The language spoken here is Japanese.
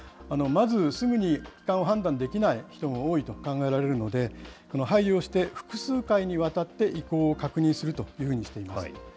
まず、すぐに帰還を判断できない人が多いと考えられるので、配慮をして、複数回にわたって意向を確認するというふうにしています。